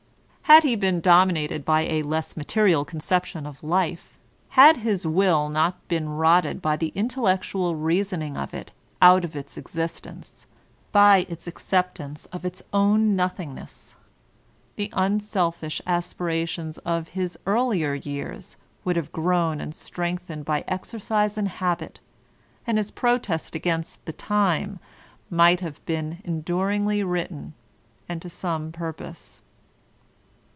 Had he been dominated by a less material conception of life, had his will not been rotted by the intellectual reasoning of it out of its existence, by its acceptance of its own nothingness, the unselfish aspirations of his earlier jrears would have grown and strengthened by exerdse and habit; and his protest against the time might have been enduringly written, and to some purpose.